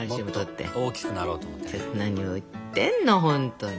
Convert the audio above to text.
何を言ってんの本当に。